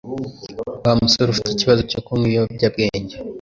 wa musoreafite ikibazo cyo kunywa ibiyobyabwenge